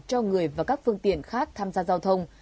cho người và các phương tiện khác tham gia giao thông